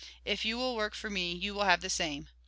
If you will work for me, you will have the same."